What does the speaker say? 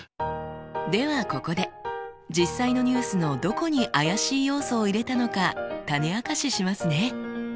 ではここで実際のニュースのどこに怪しい要素を入れたのか種明かししますね。